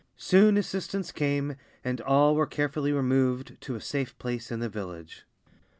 Soon assistance came, and all were carefully removed to a safe place in the village.